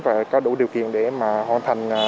và có đủ điều kiện để mà hoàn thành